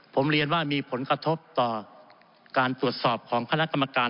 ผมเรียนว่ามีผลกระทบต่อการตรวจสอบของคณะกรรมการ